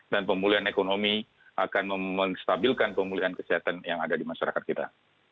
dan pemulihan ekonomi akan memenstabilkan pemulihan kesehatan yang ada di masyarakat kita